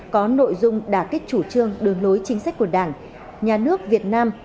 có nội dung đà kích chủ trương đường lối chính sách của đảng nhà nước việt nam